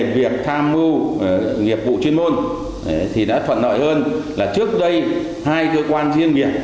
việc tham mưu nghiệp vụ chuyên môn thì đã thuận lợi hơn là trước đây hai cơ quan riêng biệt